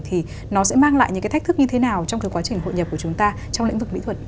thì nó sẽ mang lại những cái thách thức như thế nào trong cái quá trình hội nhập của chúng ta trong lĩnh vực mỹ thuật